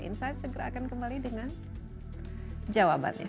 insight segera akan kembali dengan jawabannya